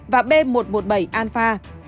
và b một trăm một mươi bảy alpha